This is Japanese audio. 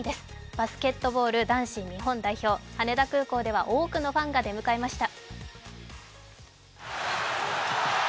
バスケットボール男子日本代表、羽田空港では多くのファンが出迎えました。